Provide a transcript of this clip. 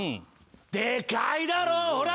でかいだろほら。